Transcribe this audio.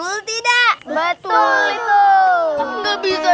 ia tidak apa apa